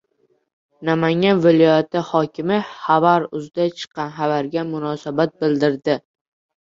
Namangan viloyati hokimi Xabar.uz’da chiqqan xabarga munosabat bildirdi